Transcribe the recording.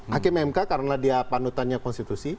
hakim mk karena dia panutannya konstitusi